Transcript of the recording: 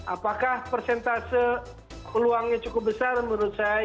apakah persentase peluangnya cukup besar menurut saya